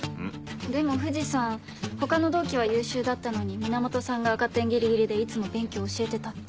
でも藤さん他の同期は優秀だったのに源さんが赤点ギリギリでいつも勉強教えてたって。